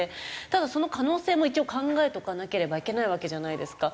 ただその可能性も一応考えておかなければいけないわけじゃないですか。